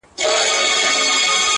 پر هر ځای چي ټولۍ وینی د پوهانو.!